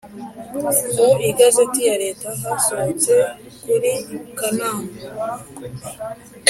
Mu igazeti ya leta yasohotse kuri kanama